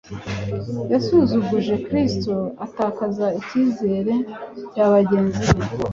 Yasuzuguje Kristo atakaza n'icyizere cya bagenzi be.